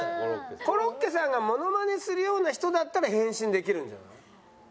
コロッケさんがモノマネするような人だったら変身できるんじゃない？